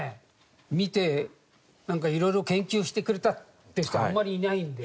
見ていろいろ研究してくれたって人あんまりいないんで。